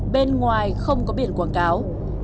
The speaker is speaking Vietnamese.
bên ngoài không có biển quảng cáo